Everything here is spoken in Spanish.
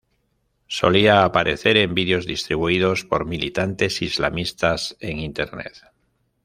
Solía aparecer en videos distribuidos por militantes islamistas en Internet.